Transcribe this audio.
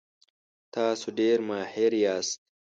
تاسو ډیر ماهر یاست.